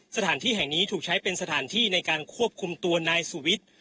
สถานที่แห่งนี้ถูกใช้เป็นสถานที่ในการควบคุมตัวนายสุวิทย์